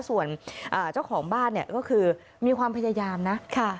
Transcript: ส่วนเจ้าของบ้านเนี่ยก็คือมีความพยายามนะ